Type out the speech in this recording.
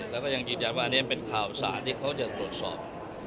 แล้วก็ยังยืนยันว่าอันนี้เป็นข่าวสารที่เขาจะตรวจสอบ